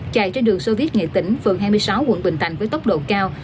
chạy trên đường soviet nghệ tỉnh phường hai mươi sáu quận bình thạnh với tốc độ cao